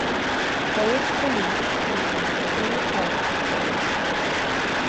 Polish Police uses two helicopters.